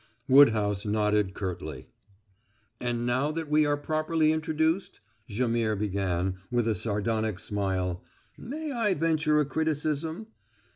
Woodhouse nodded curtly. "And now that we are properly introduced," Jaimihr began, with a sardonic smile, "may I venture a criticism?